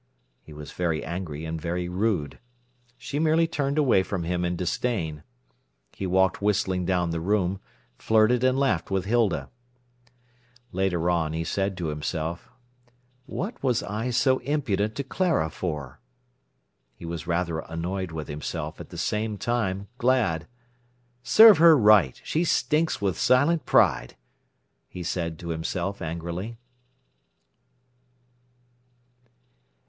He was very angry and very rude. She merely turned away from him in disdain. He walked whistling down the room, flirted and laughed with Hilda. Later on he said to himself: "What was I so impudent to Clara for?" He was rather annoyed with himself, at the same time glad. "Serve her right; she stinks with silent pride," he said to himself angrily.